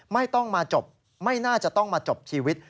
ไม่ต้องมาจบไม่น่าจะต้องมาจบชีวิต